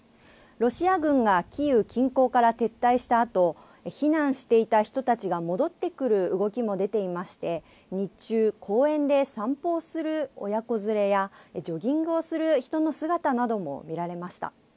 ロシア軍がキーウ近郊から撤退したあと、避難していた人たちが戻ってくる動きも出ていまして、日中、公園で散歩をする親子連れやジョギングをする人の姿なども見られました。